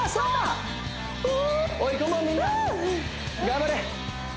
頑張れ！